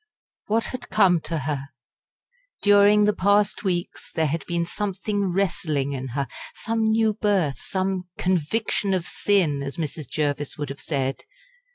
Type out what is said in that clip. What had come to her? Daring the past weeks there had been something wrestling in her some new birth some "conviction of sin," as Mrs. Jervis would have said.